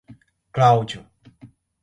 Cláudio